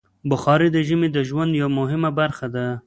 بخاري د ژمي د ژوند یوه مهمه برخه ده.